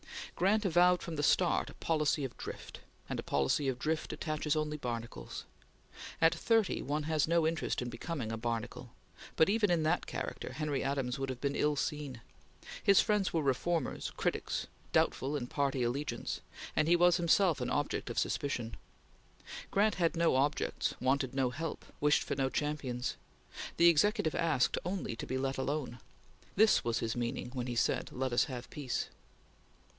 Grant avowed from the start a policy of drift; and a policy of drift attaches only barnacles. At thirty, one has no interest in becoming a barnacle, but even in that character Henry Adams would have been ill seen. His friends were reformers, critics, doubtful in party allegiance, and he was himself an object of suspicion. Grant had no objects, wanted no help, wished for no champions. The Executive asked only to be let alone. This was his meaning when he said: "Let us have peace!"